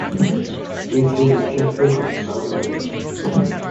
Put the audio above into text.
Reach for his cheque-book and start writing.